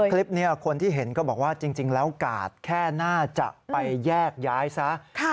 คลิปนี้คนที่เห็นก็บอกว่าจริงแล้วกาดแค่น่าจะไปแยกย้ายซะ